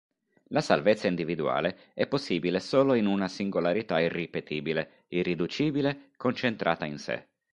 La salvezza individuale è possibile solo in una singolarità irripetibile, irriducibile, concentrata in sé.